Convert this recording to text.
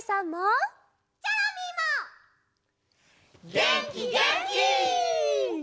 げんきげんき！